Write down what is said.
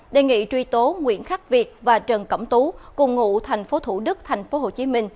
đề nghị truy tố nguyễn khắc việt và trần cẩm tú cùng ngụ tp thủ đức tp hcm